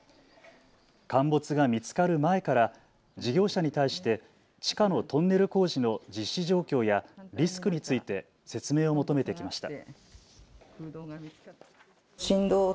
陥没が見つかる前から事業者に対して地下のトンネル工事の実施状況やリスクについて説明を求めてきました。